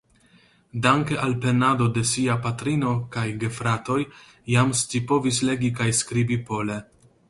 Danke al penado de sia patrino kaj gefratoj jam scipovis legi kaj skribi pole.